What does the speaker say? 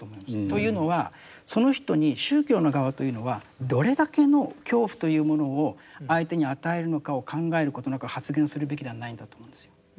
というのはその人に宗教の側というのはどれだけの恐怖というものを相手に与えるのかを考えることなく発言するべきではないんだと思うんですよ。